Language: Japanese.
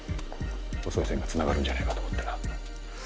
細い線がつながるんじゃないかと思ってな。